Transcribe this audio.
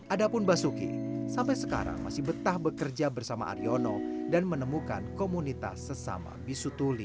adapun basuki sampai sekarang masih betah bekerja bersama aryono dan menemukan komunitas sesama bisu tuli